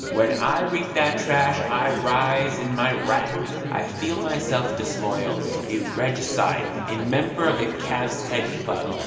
When I read that trash, I rise in my wrath; I feel myself disloyal, a regicide, a member of the Calf's Head Club.